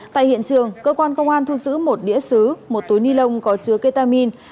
tại hiện trường cơ quan công an thu giữ một đĩa xứ một túi ni lông có chứa ketamin